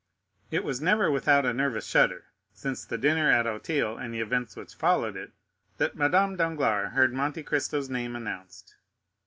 It was never without a nervous shudder, since the dinner at Auteuil, and the events which followed it, that Madame Danglars heard Monte Cristo's name announced.